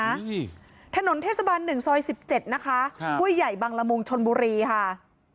นี่ถนนเทศบัน๑ซอย๑๗นะคะคุยใหญ่บังลมุงชนบุรีค่ะ